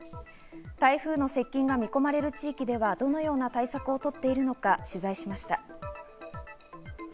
台風の接近が見込まれる地域ではどのような対策を取っているのか取材しました。